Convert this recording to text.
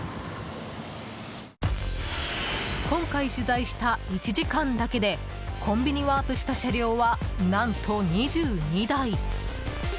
今回取材した１時間だけでコンビニワープした車両は何と２２台。